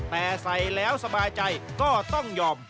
แต่ใส่แล้วสบายใจก็ต้องยอม